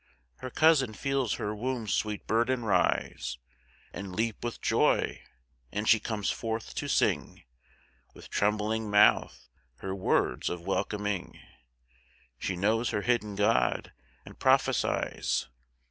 Her cousin feels her womb's sweet burden rise And leap with joy, and she comes forth to sing, With trembling mouth, her words of welcoming. She knows her hidden God, and prophesies.